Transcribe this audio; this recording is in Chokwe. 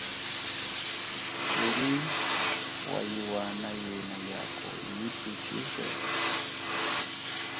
Kuli wa iwana yena yako yipi chize.